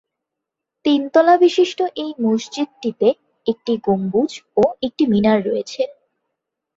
তিন তলা বিশিষ্ট এই মসজিদটিতে একটি গম্বুজ ও একটি মিনার রয়েছে।